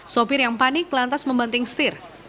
sopir yang panik lantas membanting setir